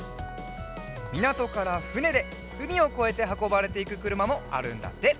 みなとからふねでうみをこえてはこばれていくくるまもあるんだって。